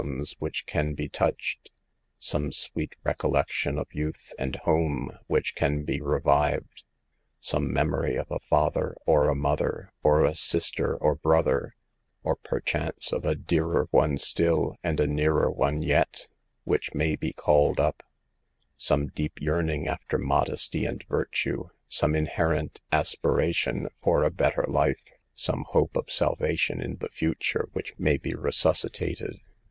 oms which can be touched ; some sweet recol lection of youth and home which can be revived ; some memory of a father or a mother, of a sister or brother, or perchance of " a dearer one still and a nearer one yet " which may be called up ; some deep yearning after modesty and virtue, some inherent aspiration for a better life, some hope of salvation in the future which may be resuscitated.